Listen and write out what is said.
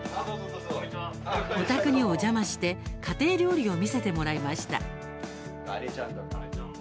お宅に、お邪魔して家庭料理を見せてもらいました。